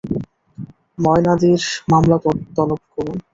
মায়ানদির মামলা তলব করুন।